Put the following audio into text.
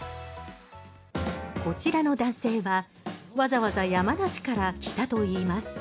こちらの男性は、わざわざ山梨から来たといいます。